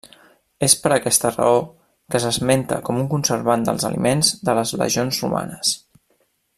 És per aquesta raó que s'esmenta com un conservant dels aliments de les legions romanes.